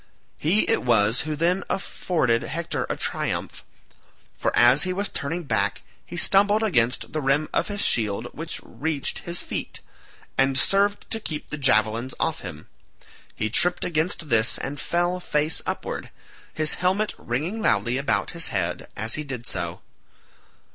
He it was who then afforded Hector a triumph, for as he was turning back he stumbled against the rim of his shield which reached his feet, and served to keep the javelins off him. He tripped against this and fell face upward, his helmet ringing loudly about his head as he did so.